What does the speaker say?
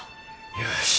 よし。